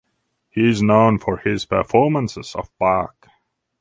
He is known for his performances of Bach.